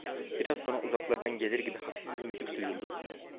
Biraz sonra uzaklardan gelir gibi hafif bir müzik duyuldu.